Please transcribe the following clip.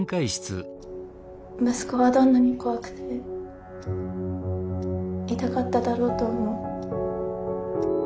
息子はどんなに怖くて痛かっただろうと思う。